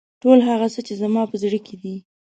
ټول هغه څه چې زما په زړه کې دي.